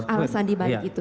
alasan dibalik itu